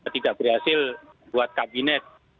tidak berhasil buat kabinet